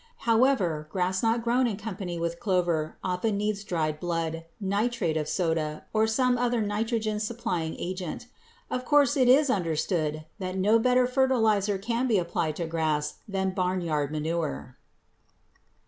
However, grass not grown in company with clover often needs dried blood, nitrate of soda, or some other nitrogen supplying agent. Of course it is understood that no better fertilizer can be applied to grass than barnyard manure.